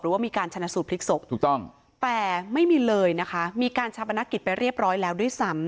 ว่ามีการชนะสูตรพลิกศพถูกต้องแต่ไม่มีเลยนะคะมีการชาปนกิจไปเรียบร้อยแล้วด้วยซ้ำ